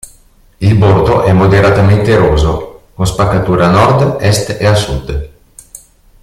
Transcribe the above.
Il bordo è moderatamente eroso, con spaccature a nord, est ed a sud.